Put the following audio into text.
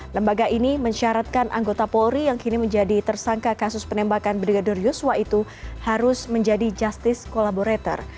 lembaga ini mensyaratkan anggota polri yang kini menjadi tersangka kasus penembakan brigadir yosua itu harus menjadi justice collaborator